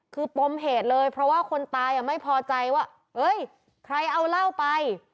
คือปมเหตุเลยเพราะว่าคนตายไม่พอใจว่าเอ้ยใครเอาเหล้าไป